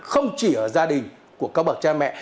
không chỉ ở gia đình của các bậc cha mẹ